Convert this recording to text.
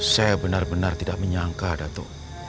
saya benar benar tidak menyangka dato